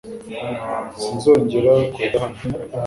Sinzongera kurya hano .